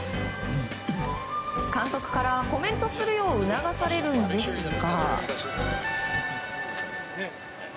監督からコメントするよう促されるんですが。